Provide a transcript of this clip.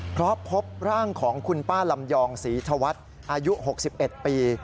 เพราะพบร่างของคุณป้าลำยองศรีธวัฒน์อายุ๖๑ปี